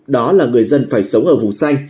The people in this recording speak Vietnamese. đó là người dân phải sống ở vùng xanh